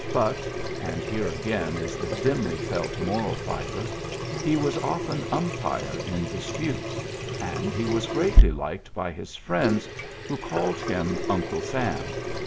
But — and here again is the dimly felt moral fibre — he was often umpire in disputes ; and he was greatly liked by his friends, who called him Uncle Sam.